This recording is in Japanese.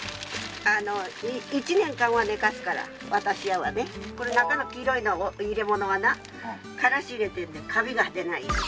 １年間は寝かすから私らはね。これ中の黄色い入れ物はなカラシ入れてんねんカビが出ないように。